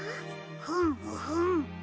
ふんふん。